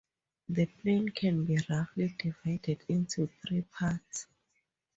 The plain can be roughly divided into three parts.